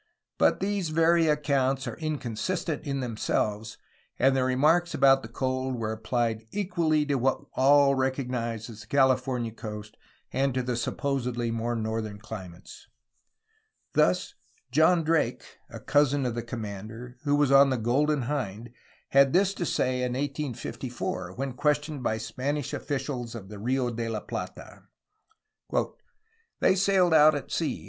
But these very accounts are inconsistent in them selves, and the remarks about the cold were applied equally to what all recognize as the California coast and to the supposedly more northern climes. Thus, John Drake (a cousin of the commander), who was on the Golden Hind, had this to say in 1584, when questioned by Spanish officials of the Rio de la Plata: "they sailed out at sea ..